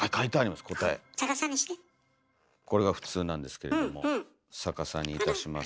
これが普通なんですけれども逆さにいたしますと。